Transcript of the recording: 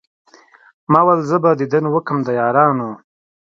ما ول زه به ديدن وکم د يارانو